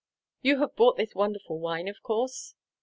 "You have bought this wonderful wine, of course?"